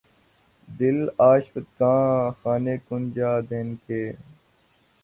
دل آشفتگاں خالِ کنجِ دہن کے